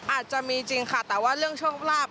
อาจจะมีจริงค่ะแต่ว่าเรื่องช่วงครอบครับ